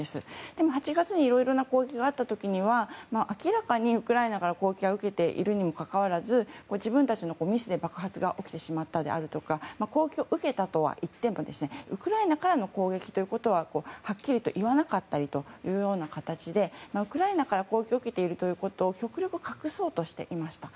でも８月にいろいろな攻撃があった時には明らかにウクライナから攻撃を受けているにもかかわらず自分たちのミスで爆発が起きてしまったであるとか攻撃を受けたとはいってもウクライナからの攻撃だとははっきりと言えなかったりという形でウクライナから攻撃を受けているということを極力、隠そうとしていました。